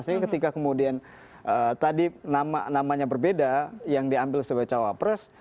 sehingga ketika kemudian tadi namanya berbeda yang diambil oleh cawa press